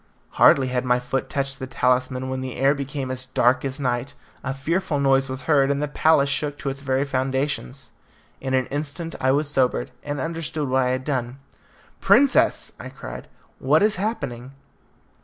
Hardly had my foot touched the talisman when the air became as dark as night, a fearful noise was heard, and the palace shook to its very foundations. In an instant I was sobered, and understood what I had done. "Princess!" I cried, "what is happening?"